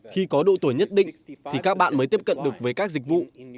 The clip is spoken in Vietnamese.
khi có độ tuổi nhất định thì các bạn mới tiếp cận được với các dịch vụ